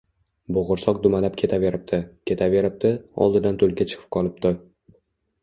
Bo’g’irsoq dumalab ketaveribdi, ketaveribdi, oldidan tulki chiqib qolibdi